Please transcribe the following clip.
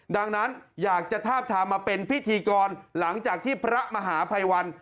ดังนั้นอยากจะทาบทามมาเป็นพิธีกรหลังจากที่พระมหาภัยวัน